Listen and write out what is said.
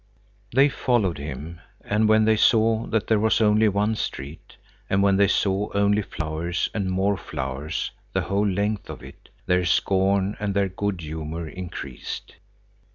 They followed him; and when they saw that there was only one street, and when they saw only flowers, and more flowers the whole length of it, their scorn and their good humor increased.